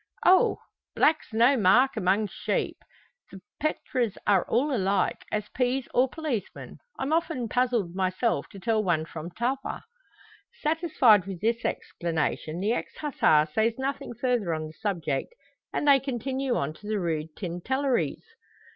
"Oh! black's no mark among sheep. The pretres are all alike, as peas or policemen. I'm often puzzled myself to tell one from t'other." Satisfied with this explanation, the ex Hussar says nothing further on the subject, and they continue on to the Rue Tintelleries.